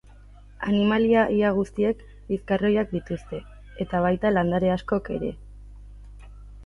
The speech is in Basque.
Animalia ia guztiek bizkarroiak dituzte, eta baita landare askok ere.